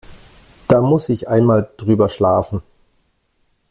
Da muss ich einmal drüber schlafen.